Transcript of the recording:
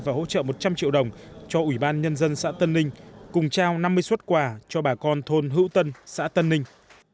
và hỗ trợ một trăm linh triệu đồng cho ủy ban nhân dân xã tân ninh cùng trao năm mươi xuất quà cho bà con thôn hữu tân xã tân ninh